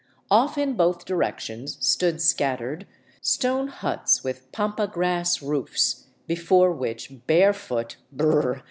Off in both directions stood scattered, stone huts with pampa grass roofs, before which barefoot (brr!)